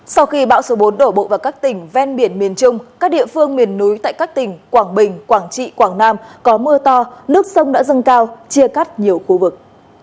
sau khi bão số bốn đổ bộ vào các tỉnh ven biển miền trung các địa phương miền núi tại các tỉnh quảng bình quảng trị quảng nam có mưa to nước sông đã dâng cao chia cắt nhiều khu vực